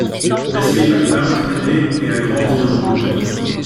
Lesley McNaught est née et a grandi en Angleterre.